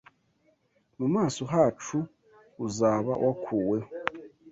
mu maso hacu uzaba wakuweho,